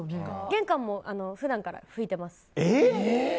玄関も普段から拭いてます。